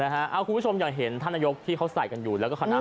คุณผู้ชมอยากเห็นท่านนายกที่เขาใส่กันอยู่